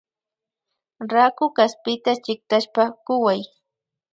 Raku kaspita chiktashpa kuway